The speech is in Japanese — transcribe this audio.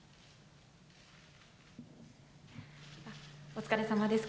お疲れさまです。